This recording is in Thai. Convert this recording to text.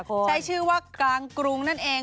ใช้ชื่อว่ากลางกรุงนั่นเอง